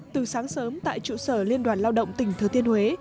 từ sáng sớm tại trụ sở liên đoàn lao động tỉnh thừa thiên huế